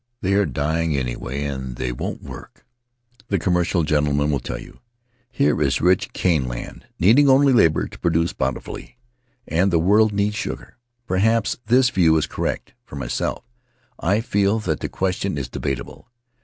"They are dying, anyway, and they won't work," the commercial gentleman will tell you; "here is rich cane land, needing only labor to produce bountifully — and the world needs sugar." Perhaps this view is correct — for myself, I feel that the question is debatable.